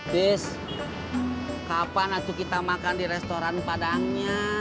bis kapan itu kita makan di restoran padangnya